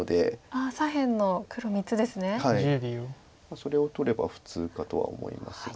それを取れば普通かとは思いますが。